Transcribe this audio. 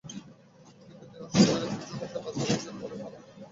কিন্তু তিনি অসম্মানজনকভাবে পিছু হটতে বাধ্য হয়েছেন বলে খবরের কাগজে দেখা যায়।